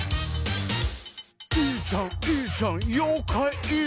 「いいじゃんいいじゃんようかいいいじゃん」